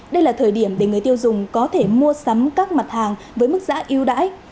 đây là thời điểm để người tiêu dùng có thể mua sắm các mặt hàng với mức giá yêu đãi